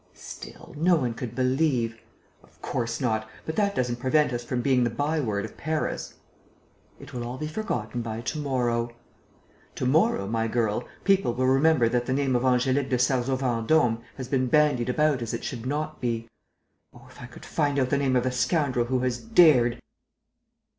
"Still, no one could believe...." "Of course not. But that doesn't prevent us from being the by word of Paris." "It will all be forgotten by to morrow." "To morrow, my girl, people will remember that the name of Angélique de Sarzeau Vendôme has been bandied about as it should not be. Oh, if I could find out the name of the scoundrel who has dared...."